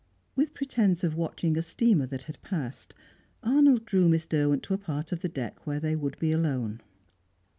With pretence of watching a steamer that had passed, Arnold drew Miss Derwent to a part of the deck where they would be alone.